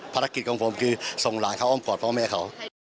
ภารกิจของผมคือส่งหลานเข้าอ้อมกอดพ่อแม่เขา